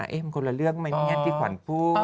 มันคนละเรื่องไหมอย่างนี้ที่ขวัญพูด